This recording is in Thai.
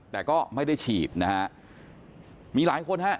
แต่ก็ไม่ได้ฉีดนะฮะมีหลายคนฮะ